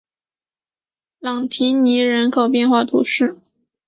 朗提尼人口变化图示